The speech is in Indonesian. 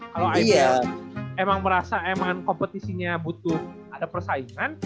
kalo ibl emang merasa emang kompetisinya butuh ada persaingan